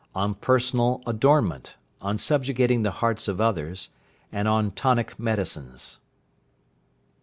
ON PERSONAL ADORNMENT; ON SUBJUGATING THE HEARTS OF OTHERS; AND ON TONIC MEDICINES.